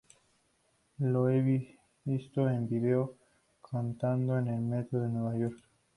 Lo he visto en video, cantando en el metro de Nueva York.